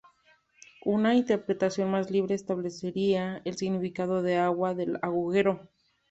Una interpretación más libre establecería el significado de "Agua del agujero".